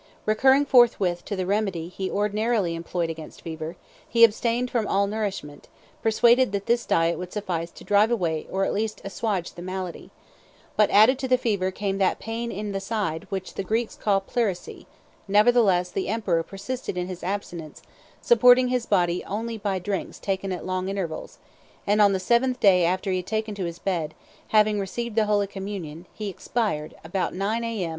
Recurring forthwith to the remedy he ordinarily employed against fever, he abstained from all nourishment, persuaded that this diet would suffice to drive away or at the least assuage the malady; but added to the fever came that pain in the side which the Greeks call pleurisy; nevertheless the emperor persisted in his abstinence, supporting his body only by drinks taken at long intervals; and on the seventh day after that he had taken to his bed, having received the holy communion," he expired about nine A.M.